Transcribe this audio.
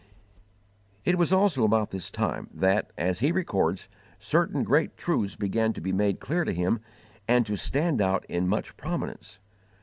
It was also about this time that, as he records, certain great truths began to be made clear to him and to stand out in much prominence.